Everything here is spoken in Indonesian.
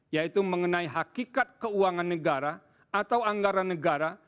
yaitu mengenai hakikat keuangan negara atau anggaran negara